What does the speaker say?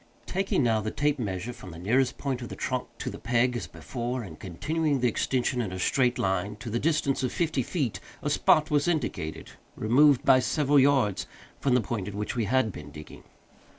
Taking, now, the tape measure from the nearest point of the trunk to the peg, as before, and continuing the extension in a straight line to the distance of fifty feet, a spot was indicated, removed, by several yards, from the point at which we had been digging.